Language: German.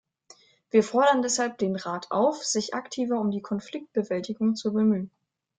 Wir fordern deshalb den Rat auf, sich aktiver um die Konfliktbewältigung zu bemühen.